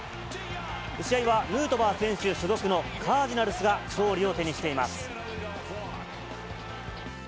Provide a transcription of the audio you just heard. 試合はヌートバー選手所属のカージナルスが勝利を手にしています。